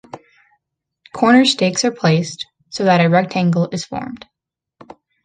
Corner stakes are placed so that a rectangle is formed.